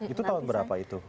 itu tahun berapa itu